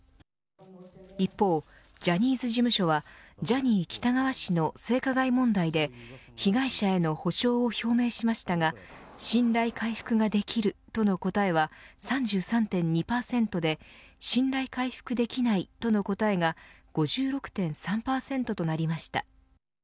一方、ジャニーズ事務所はジャニー喜多川氏の性加害問題で被害者への補償を表明しましたが信頼回復ができるとの答えは３３．２％で信頼回復できないとの答えが５６．３％となりました。